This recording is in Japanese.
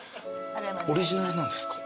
・オリジナルなんですか？